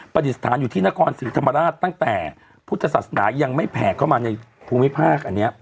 ดิษฐานอยู่ที่นครศรีธรรมราชตั้งแต่พุทธศาสนายังไม่แผ่เข้ามาในภูมิภาคอันนี้